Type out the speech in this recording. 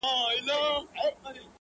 پر دې دنیا سوځم پر هغه دنیا هم سوځمه,